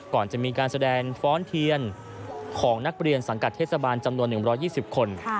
ก่อนจะมีการแสดงฟ้อนเทียนของนักเรียนสังกัดเทศบาลจำนวน๑๒๐คน